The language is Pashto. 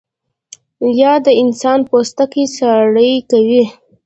باد د انسان پوستکی ساړه کوي